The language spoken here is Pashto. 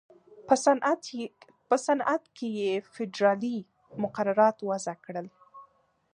په صنعت کې یې فېدرالي مقررات وضع کړل.